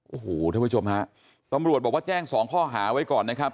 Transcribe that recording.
โอ้โหท่านผู้ชมฮะตำรวจบอกว่าแจ้งสองข้อหาไว้ก่อนนะครับ